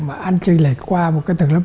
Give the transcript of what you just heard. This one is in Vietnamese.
mà an tranh lệch qua một cái tầng lớp